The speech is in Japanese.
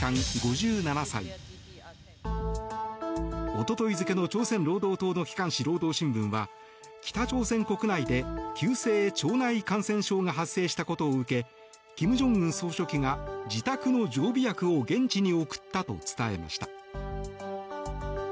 おととい付の朝鮮労働党の機関紙、労働新聞は北朝鮮国内で急性腸内感染症が発生したことを受け金正恩総書記が自宅の常備薬を現地に送ったと伝えました。